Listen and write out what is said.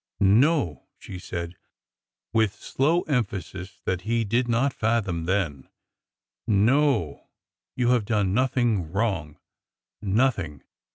'' No 1 " she said, with slow emphasis that he did not fathom then. No ! You have done nothing wrong. Nothing!